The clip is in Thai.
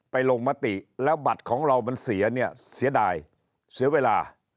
ลงมติแล้วบัตรของเรามันเสียเนี่ยเสียดายเสียเวลา